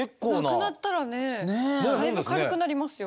なくなったらねだいぶ軽くなりますよ。